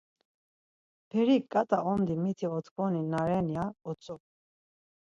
Perik ǩat̆a ondi miti otkvoni na ren ya utzu.